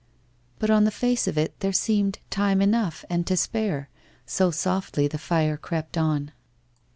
But on the face of it there seemed time enough and to spare, so softly the fire crept on.